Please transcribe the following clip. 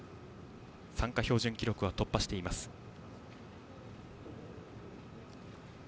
参加標準記録は突破している高山。